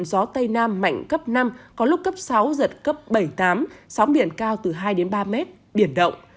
gió tây nam mạnh cấp năm có lúc cấp sáu giật cấp bảy tám sóng biển cao từ hai ba mét biển động